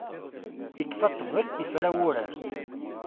Ikfa ṭtbel, ifra wurar.